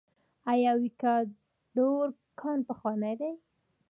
آیا د ویکادور کان پخوانی دی؟